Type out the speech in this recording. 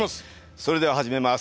それでは始めます。